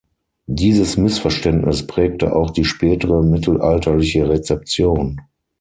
Dieses Missverständnis prägte auch die spätere mittelalterliche Rezeption.